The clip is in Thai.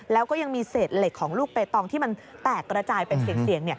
แล้วก็ยังมีเศษเหล็กของลูกเปตองที่มันแตกระจายเป็นเสี่ยง